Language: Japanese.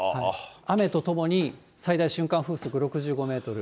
雨とともに最大瞬間風速６５メートル。